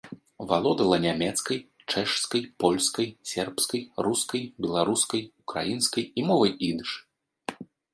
Валодала нямецкай, чэшскай, польскай, сербскай, рускай, беларускай, украінскай і мовай ідыш.